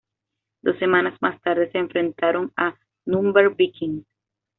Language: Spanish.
Dos semanas más tarde, se enfrentaron a Nürnberg Vikings.